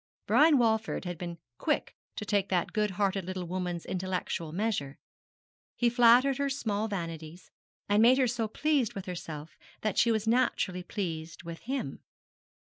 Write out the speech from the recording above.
Brian Walford had been quick to take that good hearted little woman's intellectual measure. He flattered her small vanities, and made her so pleased with herself that she was naturally pleased with him.